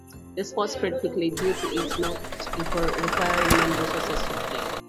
The sport spread quickly due to it not requiring many resources to play.